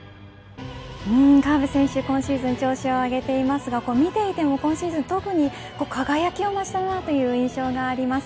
河辺選手、今シーズン調子を上げていて見ていても今シーズン特に輝きを増したという印象があります。